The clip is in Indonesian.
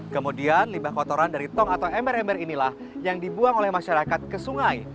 kemudian limbah kotoran dari tong atau ember ember inilah yang dibuang oleh masyarakat ke sungai